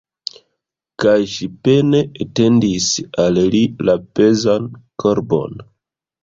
Kaj ŝi pene etendis al li la pezan korbon.